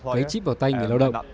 cấy chip vào tay người lao động